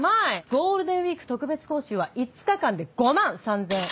ゴールデンウィーク特別講習は５日間で５万３０００円。